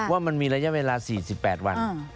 ว่ามันมีระยะเวลา๔๘วัน